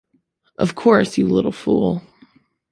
Of course, you little fool.